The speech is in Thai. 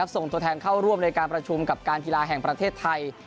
ส่งตัวแทนเข้าร่วมในการประชุมกับการกีฬาแห่งประเทศไทย